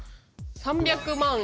３００万円。